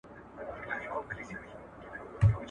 کمپيوټر فايلونه پلټي.